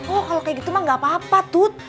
oh kalau kayak gitu mah gak apa apa tuh